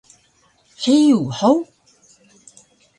Hiyug hug?